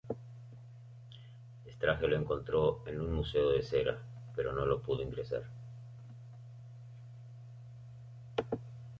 Strange lo encontró en un museo de cera, pero no pudo ingresar.